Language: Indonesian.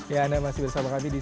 ya anda masih berada di